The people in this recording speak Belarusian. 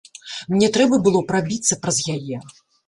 Мне трэба было прабіцца праз яе.